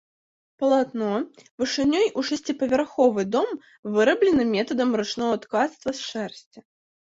Палатно вышынёй у шасціпавярховы дом выраблена метадам ручнога ткацтва з шэрсці.